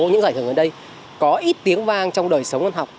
những giải thưởng gần đây có ít tiếng vang trong đời sống và học